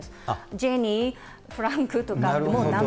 ジェニー、フランクとか、名前。